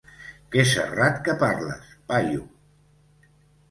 Que serrat que parles, paio!